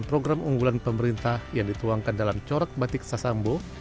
dan program unggulan pemerintah yang dituangkan dalam corak batik sasambu